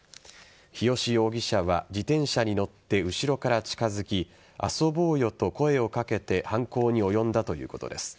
日吉容疑者は自転車に乗って後ろから近づき遊ぼうよと声を掛けて犯行に及んだということです。